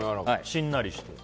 しんなりしてる。